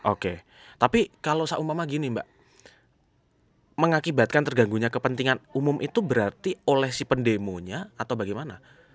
oke tapi kalau saumpama gini mbak mengakibatkan terganggunya kepentingan umum itu berarti oleh si pendemonya atau bagaimana